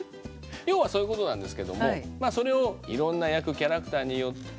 要はそういうことなんですけどもキャラクターによって。